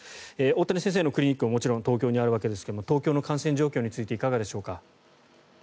大谷先生のクリニックももちろん東京にあるわけですが東京の感染状況いかがでしょうか。